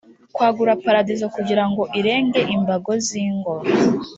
kwagura paradizo kugira ngo irenge imbago z ingo